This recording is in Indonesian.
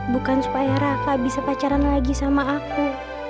bukan supaya raka bisa pacaran lagi sama aku